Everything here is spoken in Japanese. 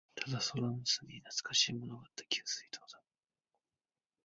ただ、空の隅に懐かしいものがあった。給水塔だ。